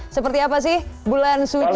seperti apa sih bulan suci